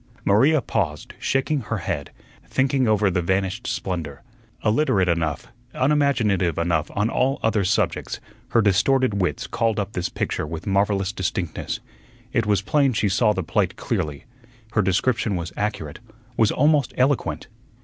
Maria paused, shaking her head, thinking over the vanished splendor. Illiterate enough, unimaginative enough on all other subjects, her distorted wits called up this picture with marvellous distinctness. It was plain she saw the plate clearly. Her description was accurate, was almost eloquent.